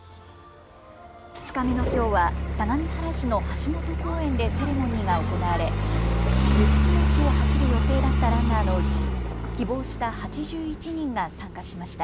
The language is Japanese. ２日目のきょうは相模原市の橋本公園でセレモニーが行われ６つの市を走る予定だったランナーのうち希望した８１人が参加しました。